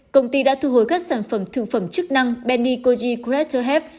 công ty đã thu hồi các sản phẩm thực phẩm chức năng benikoji crater health